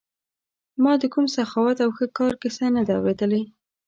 ما د کوم سخاوت او ښه کار کیسه نه ده اورېدلې.